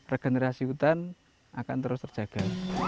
regenerasi hutan akan terus terjaga